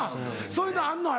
そういうのあるの？